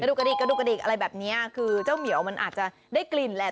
ดูกระดิกกระดูกกระดิกอะไรแบบเนี้ยคือเจ้าเหมียวมันอาจจะได้กลิ่นแหละ